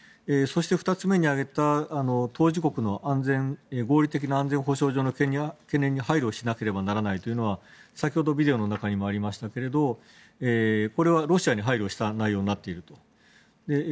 そして２つ目に挙げた当事国の合理的な安全保障上の懸念に配慮しなければならないというのは先ほどＶＴＲの中にもありましたけどこれはロシアに配慮した内容になっていると。